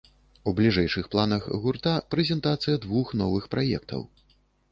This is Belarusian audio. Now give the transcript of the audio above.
У бліжэйшых планах гурта прэзентацыя двух новых праектаў.